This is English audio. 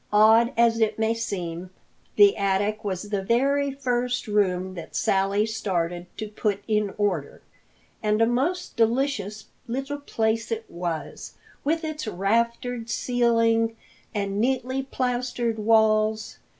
Odd as it may seem, the attic was the very first room that Sally started to put in order. And a most delicious little place it was, with its raftered ceiling and neatly plastered walls.